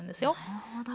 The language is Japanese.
なるほど。